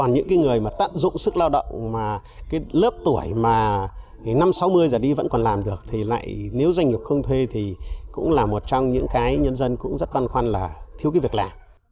nếu doanh nghiệp không thuê thì cũng là một trong những cái nhân dân cũng rất quan khoan là thiếu cái việc lạ